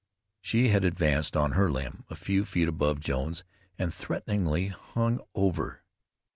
She had advanced on her limb, a few feet above Jones, and threateningly hung over.